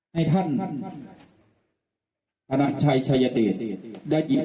ให้ท่านธนาชัยชัยเดชได้ยิน